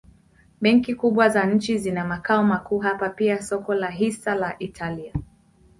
Benki kubwa za nchi zina makao makuu hapa pia soko la hisa la Italia.